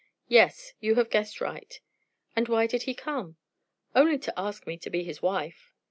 "Yes; you have guessed right." "And why did he come?" "Only to ask me to be his wife."